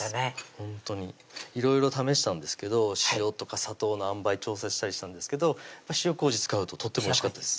ほんとにいろいろ試したんですけど塩とか砂糖のあんばい調整したりしたんですけど塩麹使うととってもおいしかったです